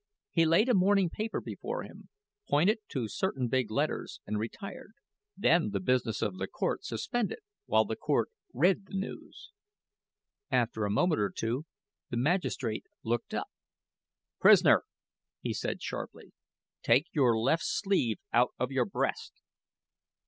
He laid a morning paper before him, pointed to certain big letters and retired. Then the business of the court suspended while the court read the news. After a moment or two the magistrate looked up. "Prisoner," he said, sharply, "take your left sleeve out of your breast!"